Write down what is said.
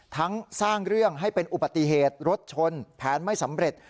ทั้งสร้างเรื่องให้เป็นอุบัติเหตุรถชนแผนไม่สำเร็จ